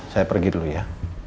saya pergi dulu ya